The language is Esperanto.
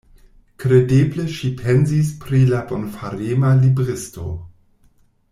Kredeble ŝi pensis pri la bonfarema libristo.